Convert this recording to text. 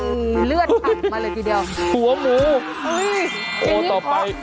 อุ๊ยเลือดมาเลยทีเดียวหัวหมูโอ้ต่อไปนี่